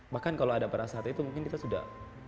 bahkan kalau ada perasaan itu mungkin kita sudah